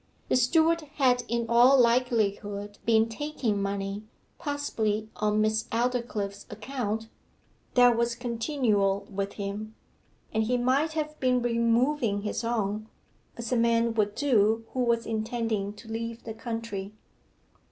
The steward had in all likelihood been taking money possibly on Miss Aldclyffe's account that was continual with him. And he might have been removing his own, as a man would do who was intending to leave the country.